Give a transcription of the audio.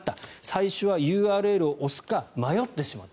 最初はＵＲＬを押すか迷ってしまった。